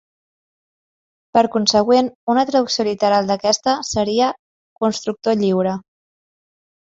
Per consegüent, una traducció literal d'aquest seria 'constructor lliure'.